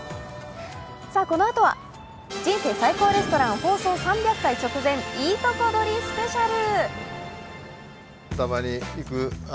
このあとは、「人生最高レストラン」放送３００回直前、いいとこどりスペシャル！！